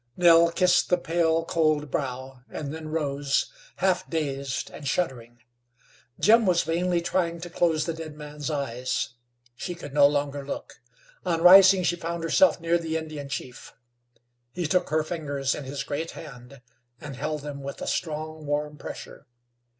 Nell kissed the pale, cold brow, and then rose, half dazed and shuddering. Jim was vainly trying to close the dead man's eyes. She could no longer look. On rising she found herself near the Indian chief. He took her fingers in his great hand, and held them with a strong, warm pressure.